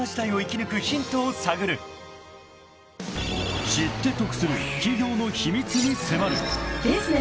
［知って得する企業の秘密に迫る］